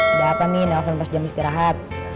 udah apa nih nelfon pas jam istirahat